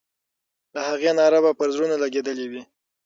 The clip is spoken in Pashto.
د هغې ناره به پر زړونو لګېدلې وي.